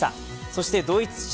そしてドイツ誌